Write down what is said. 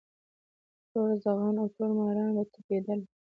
تور زاغان او تور ماران به تپېدله